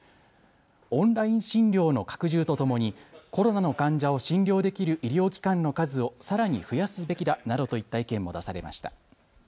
オンライン診療の拡充とともにコロナの患者を診療できる医療機関の数をさらに増やすべきだなどといった意見も出されました。